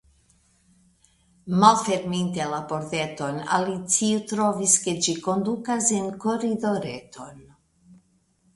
Malferminte la pordeton, Alicio trovis ke ĝi kondukas en koridoreton.